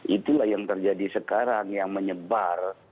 itulah yang terjadi sekarang yang menyebar